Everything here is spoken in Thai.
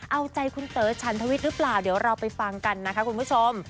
เอาใจคุณเต๋อฉันทวิทย์หรือเปล่าเดี๋ยวเราไปฟังกันนะคะคุณผู้ชม